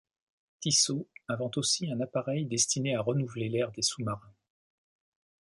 Tissot invente aussi un appareil destiné à renouveler l’air des sous-marins.